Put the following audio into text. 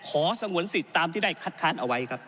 ขอสงวนศิษย์ตามที่ได้คัดทร้านเอาไว้ครับ